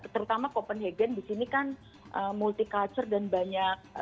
terutama copenhagen di sini kan multi culture dan banyak